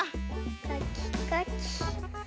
かきかき。